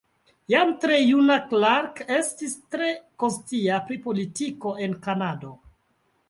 Jam tre juna Clark estis tre konscia pri politiko en Kanado.